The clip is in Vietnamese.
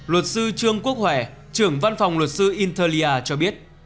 luật sư trương quốc hòe trưởng văn phòng luật sư interlia cho biết